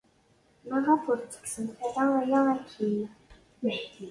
Maɣef ur tettekksemt ara aya akkin?